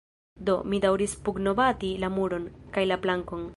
Do, mi daŭris pugnobati la muron, kaj la plankon.